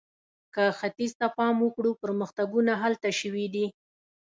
که ختیځ ته پام وکړو، پرمختګونه هلته شوي دي.